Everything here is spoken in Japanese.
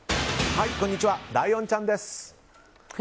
こんにちはライオンちゃんです。